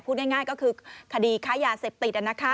พูดง่ายก็คือคดีค้ายาเสพติด